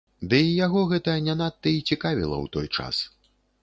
Дый яго гэта не надта і цікавіла ў той час.